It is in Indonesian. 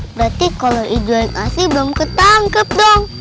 berarti kolor ijo yang asli belum ketangkep dong